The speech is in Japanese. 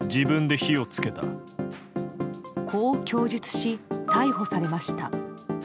こう供述し、逮捕されました。